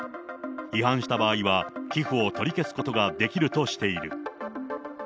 違反した場合は寄付を取り消すことができるとしている。